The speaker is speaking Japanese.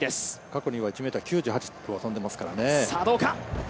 過去には１ｍ９８を跳んでいますからね。